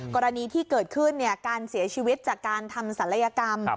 กรณีที่เกิดขึ้นการเสียชีวิตจากการทำศัลยกรรม